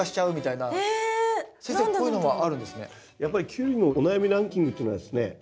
やっぱりキュウリのお悩みランキングっていうのはですね